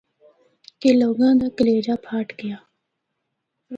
کہ لوگاں دا کلیجہ پھٹ گیا۔